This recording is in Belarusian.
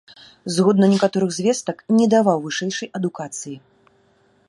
Згодна некаторых звестак, не даваў вышэйшай адукацыі.